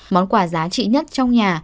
món quà giá trị nhất trong nhà